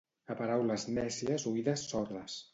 A paraules nècies oïdes sordes